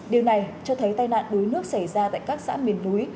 điều này cho thấy tai nạn đuối nước xảy ra tại các xã miền núi